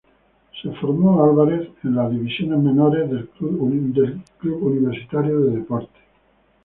Álvarez fue formado en las divisiones menores del Club Universitario de Deportes.